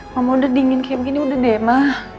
mama udah dingin kayak begini udah deh ma